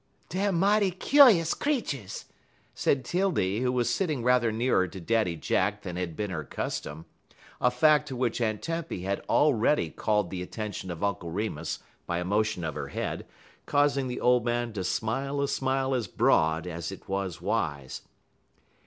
_" "Deyer mighty kuse creeturs," said 'Tildy, who was sitting rather nearer to Daddy Jack than had been her custom, a fact to which Aunt Tempy had already called the attention of Uncle Remus by a motion of her head, causing the old man to smile a smile as broad as it was wise.